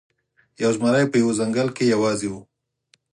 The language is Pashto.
یو زمری په یوه ځنګل کې یوازې و.